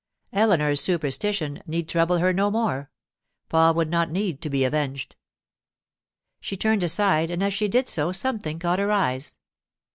Eleanor's 'superstition' need trouble her no more; Paul would not need to be avenged. She turned aside, and as she did so something caught her eyes.